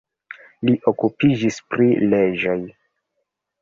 Li okupiĝis pri leĝoj.